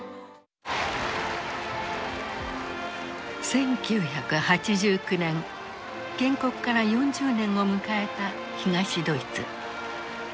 １９８９年建国から４０年を迎えた東ドイツ。